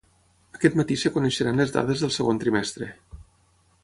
Aquest matí es coneixeran les dades del segon trimestre